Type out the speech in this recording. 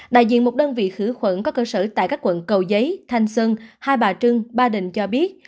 đại diện một đơn vị khử khuẩn có cơ sở tại các quận cầu giấy thanh xuân hai bà trưng ba đình cho biết